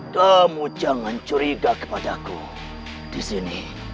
kamu jangan curiga kepada aku di sini